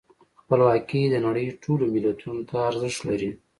خپلواکي د نړۍ ټولو ملتونو ته ارزښت لري.